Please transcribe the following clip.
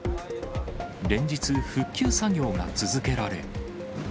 連日、復旧作業が続けられ。